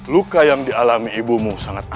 luka yang dialami ibumu sangat